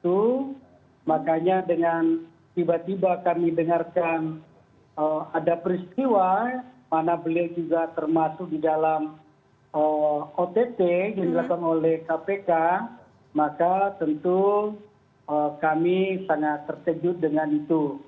itu makanya dengan tiba tiba kami dengarkan ada peristiwa mana beliau juga termasuk di dalam ott yang dilakukan oleh kpk maka tentu kami sangat terkejut dengan itu